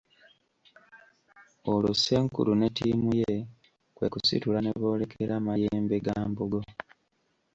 Olwo Ssenkulu ne ttiimu ye kwe kwesitula ne boolekera Mayembegambogo.